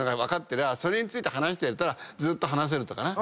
てりゃそれについて話してって言われたらずっと話せるとかな。